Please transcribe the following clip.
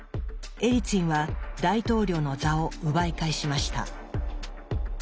エリツィンは大統領の座を奪い返しました。